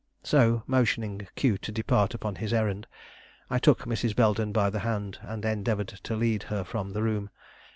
So, motioning Q to depart upon his errand, I took Mrs. Belden by the hand and endeavored to lead her from the room.